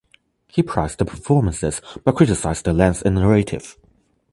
He praised the performances but criticised the length and narrative.